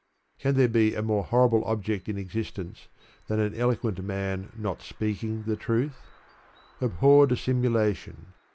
Can there be a more horrible object in existence than an eloquent man not speaking the truth? Abhor dissimulation.